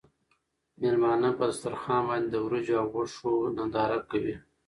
مېلمانه په دسترخوان باندې د وریجو او غوښو ننداره کوي.